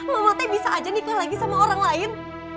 mama teh bisa aja nikah lagi sama orang lain